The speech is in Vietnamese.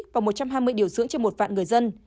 và một trăm hai mươi điều dưỡng cho một vạn người dân